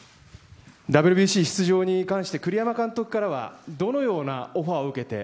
ＷＢＣ出場に関して栗山監督からはどのようなオファーを受けて。